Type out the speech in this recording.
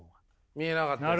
見えなかったです。